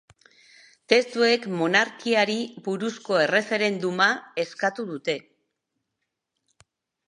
Testuek monarkiari buruzko erreferenduma eskatu dute.